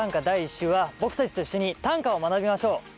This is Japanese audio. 第１週は僕たちと一緒に短歌を学びましょう。